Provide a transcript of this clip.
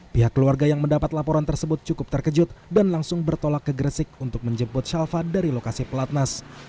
pihak keluarga yang mendapat laporan tersebut cukup terkejut dan langsung bertolak ke gresik untuk menjemput shalfa dari lokasi pelatnas